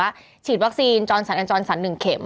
ฉีดวัคซีนจอนสันอันจรสัน๑เข็ม